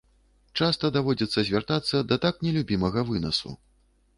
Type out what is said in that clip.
Часта даводзіцца звяртацца да так нелюбімага вынасу.